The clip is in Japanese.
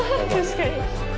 確かに。